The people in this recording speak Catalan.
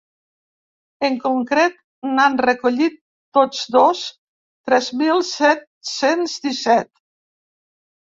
En concret, n’han recollit tots dos tres mil set-cents disset.